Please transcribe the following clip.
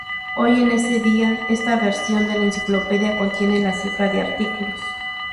Hoy en día esta versión de la enciclopedia contiene la cifra de artículos.